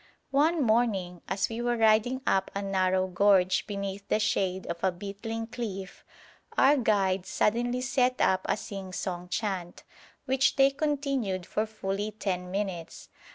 One morning, as we were riding up a narrow gorge beneath the shade of a beetling cliff, our guides suddenly set up a sing song chant, which they continued for fully ten minutes.